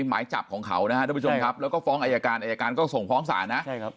หมายจับของเขานะครับทุกผู้ชมครับแล้วก็ฟ้องอายการอายการก็ส่งฟ้องศาลนะใช่ครับ